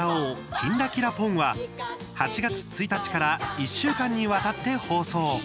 「きんらきらぽん」は８月１日から１週間にわたって放送。